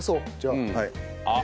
あっ。